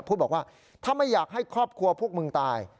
พูดบอกว่าถ้าไม่อยากให้ครอบครัวพวกมึงตาย